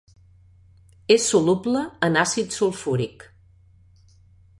És soluble en àcid sulfúric.